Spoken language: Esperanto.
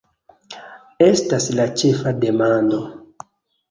Estas la ĉefa demando!